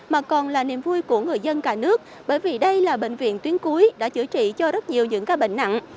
mà còn là niềm vui của người dân cả nước bởi vì đây là bệnh viện tuyến cuối đã chữa trị cho rất nhiều những ca bệnh nặng